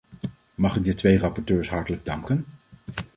Mag ik de twee rapporteurs hartelijk danken.